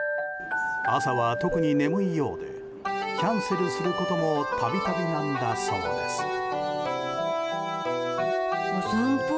朝は特に眠いようでキャンセルすることも度々なんだそうです。